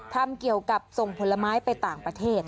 ทำเกี่ยวกับส่งผลไม้ไปต่างประเทศ